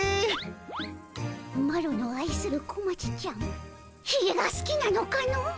マロのあいする小町ちゃんひげがすきなのかの？